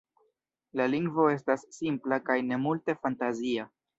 La lingvo estas simpla kaj ne multe fantazia.